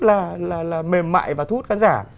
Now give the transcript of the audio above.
là mềm mại và thu hút khán giả